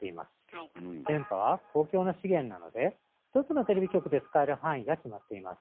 電波は公共の資源なので１つのテレビ局で使える範囲が決まっています。